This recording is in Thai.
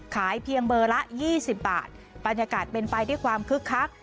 ขายเพียงเบอร์ละ๒๐บาทบรรยากาศเป็นไปด้วยความคึกคัก